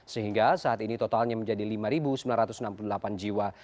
sehingga saat ini totalnya menjadi lima sembilan ratus enam puluh delapan jiwa